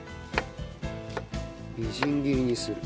みじん切りにする。